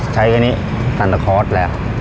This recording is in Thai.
ใช้อันนี้ซันตะคอร์สแล้ว